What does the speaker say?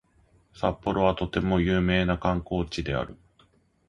札幌はとても有名な観光地である